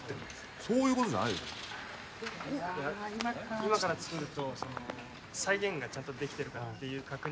・今から作るとその再現がちゃんとできてるかなっていう確認。